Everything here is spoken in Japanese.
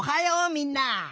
みんな。